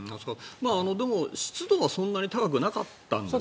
でも、湿度はそんなに高くなかったんです。